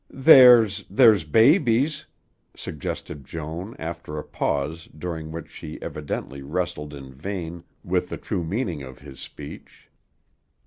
"There's there's babies," suggested Joan after a pause during which she evidently wrestled in vain with the true meaning of his speech.